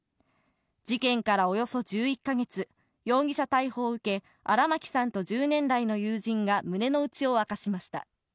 事件からおよそ１１か月、容疑者逮捕を受け、荒牧さんと１０年来の友人が胸の内を明かしました。